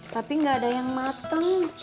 tapi gak ada yang mateng